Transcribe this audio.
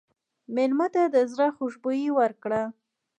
مېلمه ته د زړه خوشبويي ورکړه.